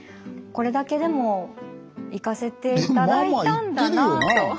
これだけでも行かせて頂いたんだなぁと。